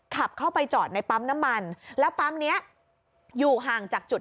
ขับเข้าไปจอดในปั๊มน้ำมันแล้วปั๊มนี้อยู่ห่างจากจุด